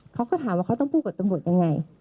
เขาก็ถามว่าเขาต้องพูดกับตำรวจยังไง